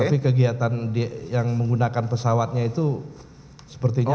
tapi kegiatan yang menggunakan pesawatnya itu sepertinya